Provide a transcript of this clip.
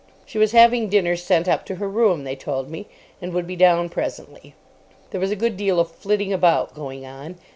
She was having dinner sent up to her room, they told me, and would be down presently. There was a good deal of flitting about going on.